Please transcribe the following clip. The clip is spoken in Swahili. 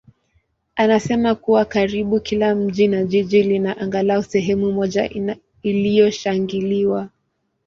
anasema kuwa karibu kila mji na jiji lina angalau sehemu moja iliyoshangiliwa.